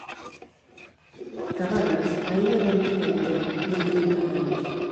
Cabanas aínda non tiña entón nin trinta anos.